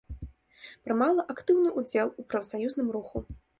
Прымала актыўны ўдзел у прафсаюзным руху.